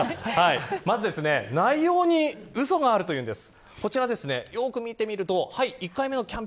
まず、内容にうそがあるというんです。